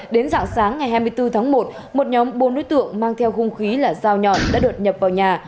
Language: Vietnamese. đến dạng sáng ngày hai mươi bốn tháng một một nhóm bốn đối tượng mang theo hung khí là dao nhọn đã đột nhập vào nhà